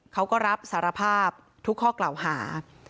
เขาก็รับสารภาพทุกข้อกล่าวหา